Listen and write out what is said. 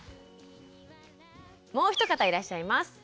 もう一方いらっしゃいます。